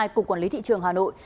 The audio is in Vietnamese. cục quản lý thị trường hà nội